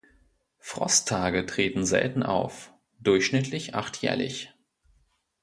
Frosttage treten selten auf, durchschnittlich acht jährlich.